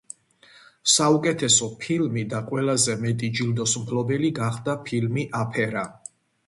საუკეთესო ფილმი და ყველაზე მეტი ჯილდოს მფლობელი გახდა ფილმი „აფერა“